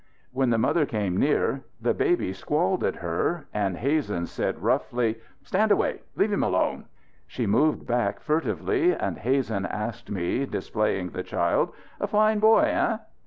When the mother came near the baby squalled at her, and Hazen said roughly: "Stand away! Leave him alone!" She moved back furtively; and Hazen asked me, displaying the child: "A fine boy, eh?"